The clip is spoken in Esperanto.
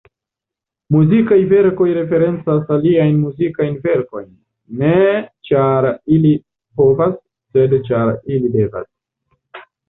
Muzikaj verkoj referencas aliajn muzikajn verkojn, ne ĉar ili povas, sed ĉar ili devas.